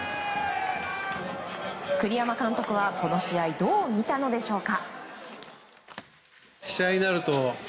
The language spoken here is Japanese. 栗山監督はこの試合どう見たのでしょうか。